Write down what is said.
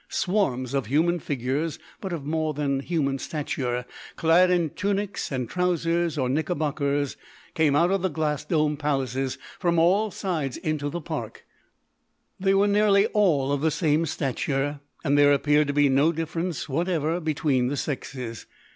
Swarms of human figures but of more than human stature, clad in tunics and trousers or knickerbockers, came out of the glass domed palaces from all sides into the park. They were nearly all of the same stature, and there appeared to be no difference whatever between the sexes.